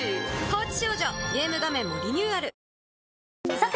さて